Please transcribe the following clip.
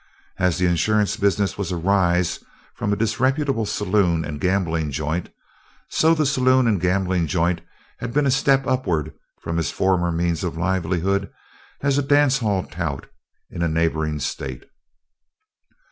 As the insurance business was a rise from a disreputable saloon and gambling joint, so the saloon and gambling joint had been a step upward from his former means of livelihood as a dance hall tout in a neighboring state.